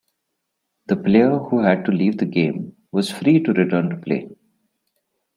The player who had to leave the game was free to return to play.